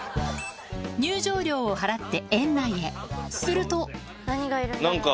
入場料を払って園内へすると何か。